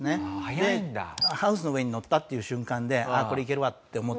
でハウスの上に乗ったっていう瞬間でああこれいけるわって思った。